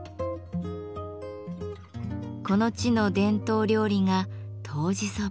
この地の伝統料理が「とうじそば」。